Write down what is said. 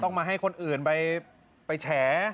ต้องมาให้คนอื่นไปแฉ